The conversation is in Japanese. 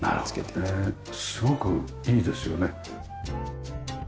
すごくいいですよね。